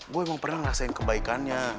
gue emang pernah ngerasain kebaikannya